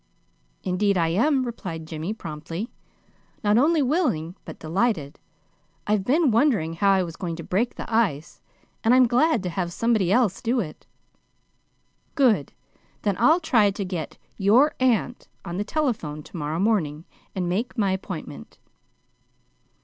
"Indeed I am," replied Jimmy, promptly; "not only willing, but delighted. I'd been wondering how I was going to break the ice, and I'm glad to have somebody else do it." "Good! Then I'll try to get YOUR AUNT on the telephone to morrow morning and make my appointment."